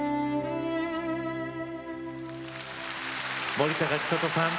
森高千里さん